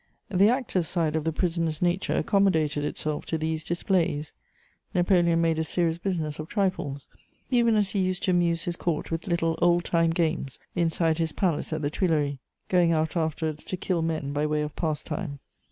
The actor's side of the prisoner's nature accommodated itself to these displays: Napoleon made a serious business of trifles, even as he used to amuse his Court with little old time games inside his palace at the Tuileries, going out afterwards to kill men by way of pastime.